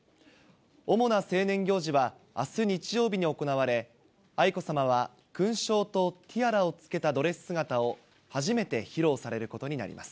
主な成年行事はあす日曜日に行われ、愛子さまは勲章とティアラをつけたドレス姿を初めて披露されることになります。